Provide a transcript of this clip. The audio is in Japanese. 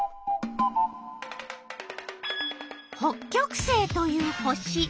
北極星という星。